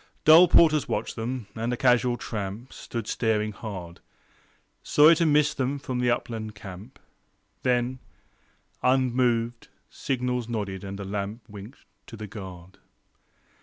Dull porters watched them, and a casual tramp Stood staring hard, Sorry to miss them from the upland camp. Then, unmoved, signals nodded, and a lamp Winked to the guard.